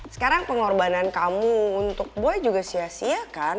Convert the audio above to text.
sekarang pengorbanan kamu untuk boy juga sia siakan